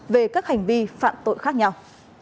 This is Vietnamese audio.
về các hành vi phạm tội khác nhau